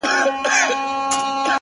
نو شاعري څه كوي،